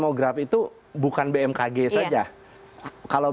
yang satu menentukan beberapa hal yang harus pr studying melaka